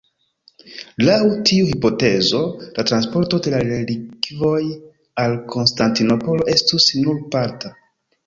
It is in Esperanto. Laŭ tiu hipotezo, la transporto de la relikvoj al Konstantinopolo estus nur parta.